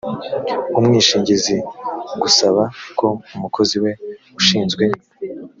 umwishingizi gusaba ko umukozi we ushinzwe